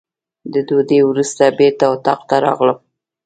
د ډوډۍ وروسته بېرته اتاق ته راغلم.